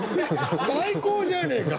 最高じゃねえか！